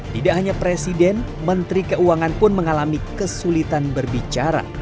tidak hanya presiden menteri keuangan pun mengalami kesulitan berbicara